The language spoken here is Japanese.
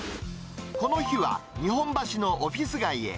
この日は日本橋のオフィス街へ。